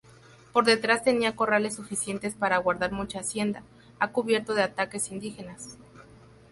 Por detrás tenía corrales suficientes para guardar mucha hacienda, a cubierto de ataques indígenas.